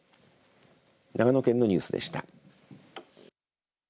長野県のニュースでした。